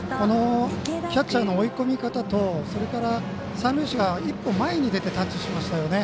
キャッチャーの追い込み方と三塁手が一歩前に出てタッチしましたよね。